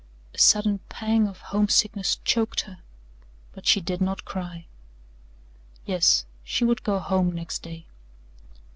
A sudden pang of homesickness choked her, but she did not cry. Yes, she would go home next day.